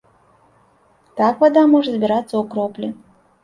Так, вада можа збірацца ў кроплі.